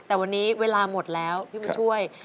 แต่วันนี้เวลาหมดแล้วพี่บุญช่วย